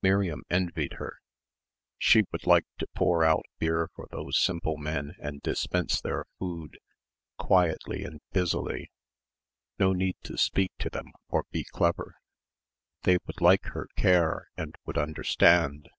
Miriam envied her. She would like to pour out beer for those simple men and dispense their food ... quietly and busily.... No need to speak to them, or be clever. They would like her care and would understand.